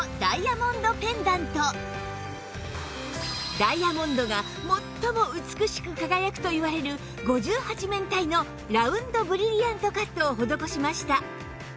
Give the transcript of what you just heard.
ダイヤモンドが最も美しく輝くといわれる５８面体のラウンドブリリアントカットを施しました